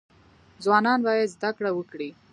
ځوانان باید زده کړه وکړي